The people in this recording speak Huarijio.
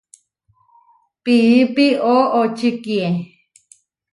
Piípi oʼočikíe.